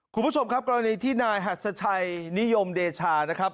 คุณผู้ชมครับกรณีที่นายหัสชัยนิยมเดชานะครับ